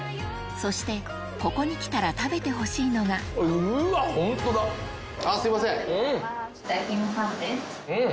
そしてここに来たら食べてほしいのがすいません。